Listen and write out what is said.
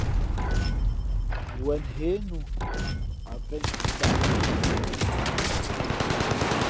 Wen hě nu, a pēn si tāʼ.